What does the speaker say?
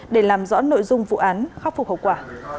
để làm rõ nội dung vụ án khắc phục hậu quả